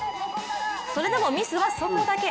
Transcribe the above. それでもミスはそこだけ。